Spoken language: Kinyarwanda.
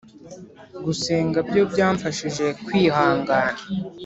gusenga byo byamfashije kwihangana.